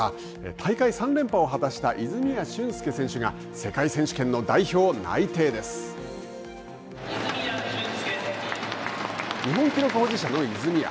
大会３連覇を果たした泉谷駿介選手が日本記録保持者の泉谷。